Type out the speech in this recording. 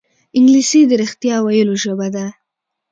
انګلیسي د رښتیا ویلو ژبه ده